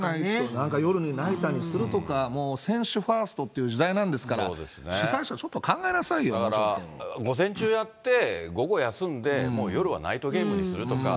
なんか夜に、ナイターにするとか、選手ファーストっていう時代なんですから、主催者ちょっと考えなさいよ、だから午前中やって、午後休んで、もう夜はナイトゲームにするとか。